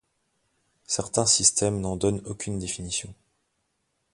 Certains systèmes n'en donnent aucune définition.